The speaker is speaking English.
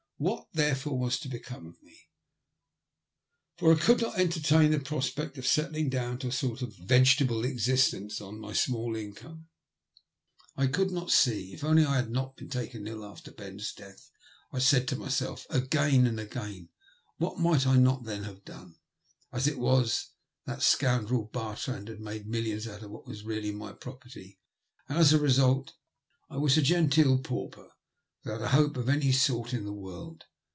What, therefore, was to become of me — ^for I could not entertain the prospect of settling down to a sort of vegetable existence on my small income — ^I could not see. " Oh, if only I had not been taken ill after Ben's death," I said to myself again and again; ''what might I not then have done? " As it was, that scoundrel Bartrand had made millions out of what was really my property, and as a result I was a genteel pauper without a hope of any sort in the world.